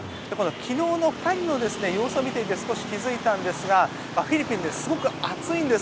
昨日の２人の様子を見ていて少し気付いたんですがフィリピン、すごく暑いんです。